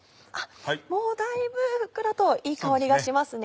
もうだいぶふっくらといい香りがしますね。